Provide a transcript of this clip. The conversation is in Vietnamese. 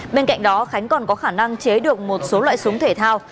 bên cạnh đó khánh còn có khả năng chế được một số loại súng thể thao